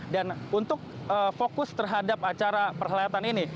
dan untuk fokus terhadap acara perkhayatan ini